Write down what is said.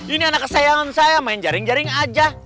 ini anak kesayangan saya main jaring jaring aja